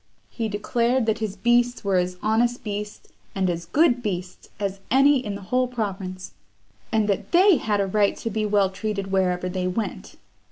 He declared that his beasts were as honest beasts, and as good beasts, as any in the whole province; and that they had a right to be well treated wherever they went.